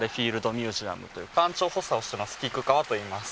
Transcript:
ミュージアムという館長補佐をしてます菊川といいます